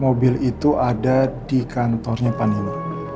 mobil itu ada di kantornya panino